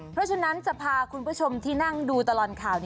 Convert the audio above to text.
เพราะฉะนั้นจะพาคุณผู้ชมที่นั่งดูตลอดข่าว